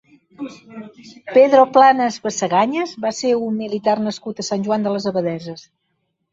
Pedro Planas Basagañas va ser un militar nascut a Sant Joan de les Abadesses.